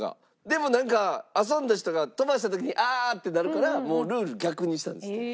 でもなんか遊んだ人が飛ばした時にあーっ！ってなるからもうルール逆にしたんですって。